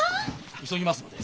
急ぎますので。